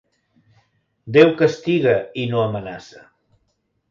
Déu castiga i no amenaça.